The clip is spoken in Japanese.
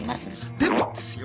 でもですよ